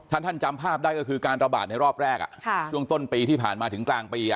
ถ้าท่านจำภาพได้ก็คือการระบาดในรอบแรกช่วงต้นปีที่ผ่านมาถึงกลางปี